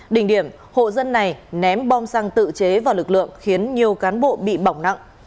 đỉnh điểm hộ dân này ném bom xăng tự chế vào lực lượng khiến nhiều cán bộ bị bỏng nặng